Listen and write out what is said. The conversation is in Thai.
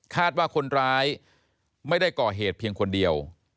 ว่าคนร้ายไม่ได้ก่อเหตุเพียงคนเดียว